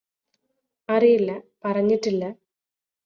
അറിയില്ല പറഞ്ഞിട്ടില്ല